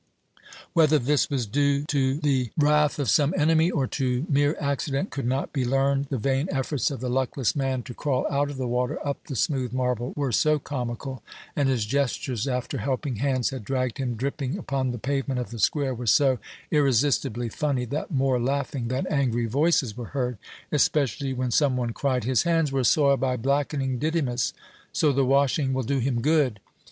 Whether this was due to the wrath of some enemy, or to mere accident, could not be learned; the vain efforts of the luckless man to crawl out of the water up the smooth marble were so comical, and his gestures, after helping hands had dragged him dripping upon the pavement of the square, were so irresistibly funny, that more laughing than angry voices were heard, especially when some one cried, "His hands were soiled by blackening Didymus, so the washing will do him good."